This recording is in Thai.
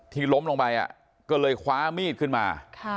ล้มลงไปก็เลยคว้ามีดขึ้นมา